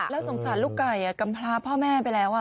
แล้วสงสารลูกไก่กำพลาพ่อแม่ไปแล้ว